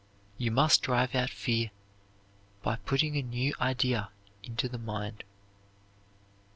You must drive out fear by putting a new idea into the mind.